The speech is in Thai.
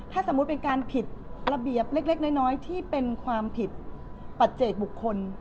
ถ้าสมมุติเป็นการผิดระเบียบเล็กน้อยที่เป็นความผิดปัจเจกบุคคล